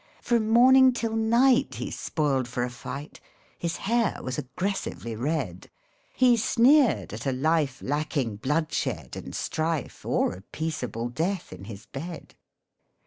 From morning till night he spoiled for a fight, His hair was aggressively red, He sneered at a life lacking bloodshed and strife, Or a peaceable death in his bed.